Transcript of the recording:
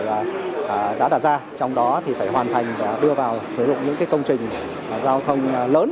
đại hội đã đặt ra trong đó thì phải hoàn thành và đưa vào sử dụng những cái công trình giao thông lớn